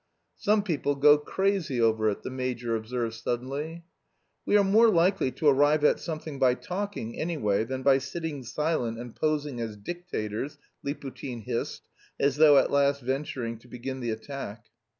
"Some people go crazy over it," the major observed suddenly. "We are more likely to arrive at something by talking, anyway, than by sitting silent and posing as dictators," Liputin hissed, as though at last venturing to begin the attack.